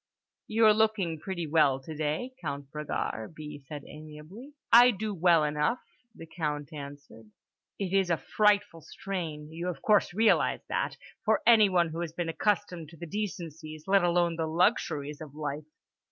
"You're looking pretty well today, Count Bragard," B. said amiably. "I do well enough," the Count answered. "It is a frightful strain—you of course realise that—for anyone who has been accustomed to the decencies, let alone the luxuries, of life.